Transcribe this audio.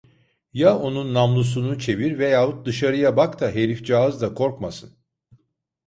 Ya onun namlusunu çevir veyahut dışarıya bak da herifcağız da korkmasın.